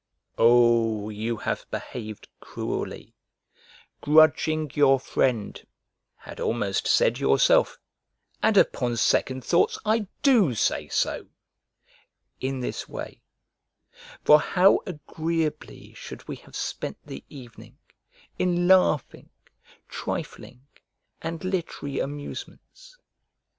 Oh! you have behaved cruelly, grudging your friend, had almost said yourself; and upon second thoughts I do say so; in this way: for how agreeably should we have spent the evening, in laughing, trifling, and literary amusements!